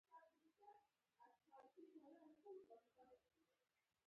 کره شمېرې پیدا کول ستونزمن دي.